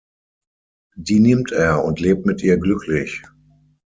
Die nimmt er und lebt mit ihr glücklich.